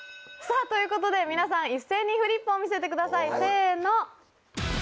ということで皆さん一斉にフリップを見せてくださいせの！